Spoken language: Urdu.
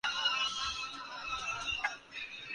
یہ تھرلر فلمیں دیکھنے کے لیے تیار ہیں